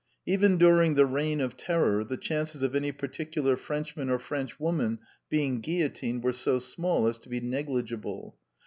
Even during the Reign of Terror, the chances of any particular Frenchman or Frenchwoman being guillotined were so small as to be negligible.